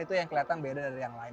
itu yang kelihatan beda dari yang lain